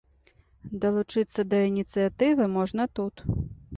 Далучыцца да ініцыятывы можна тут.